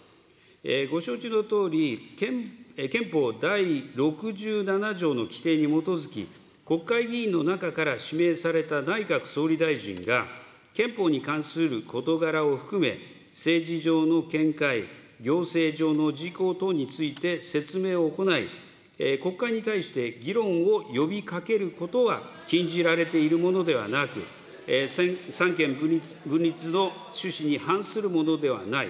ご承知のとおり、憲法第６７条の規定に基づき、国会議員の中から指名された内閣総理大臣が、憲法に関する事柄を含め、政治上の見解、行政上の事項等について説明を行い、国会に対して議論を呼びかけることは禁じられているものではなく、三権分立の趣旨に反するものではない。